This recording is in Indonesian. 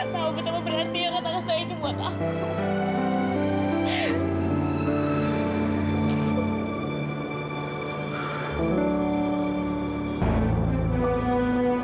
terima kasih sayang